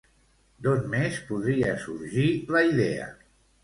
D'on més podria sorgir la idea?